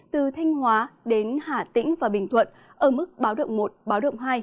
từ thanh hóa đến hà tĩnh và bình thuận ở mức báo động một báo động hai